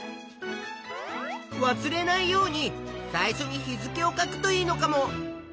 わすれないように最初に日付を書くといいのかも。